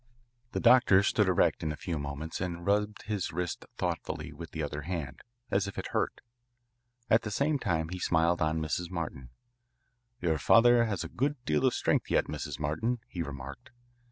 The doctor stood erect in a few moments and rubbed his wrist thoughtfully with the other hand, as if it hurt. At the same time he smiled on Mrs. Martin. "Your father has a good deal of strength yet, Mrs. Martin," he remarked.